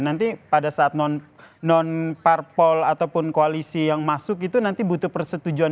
nanti pada saat non parpol ataupun koalisi yang masuk itu nanti butuh persetujuan